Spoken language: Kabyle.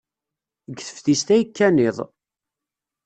Deg teftist ay kkan iḍ.